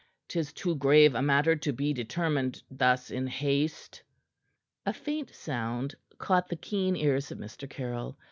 "'Tis too grave a matter to be determined thus in haste." A faint sound caught the keen ears of Mr. Caryll.